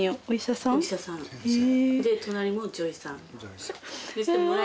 お医者さん。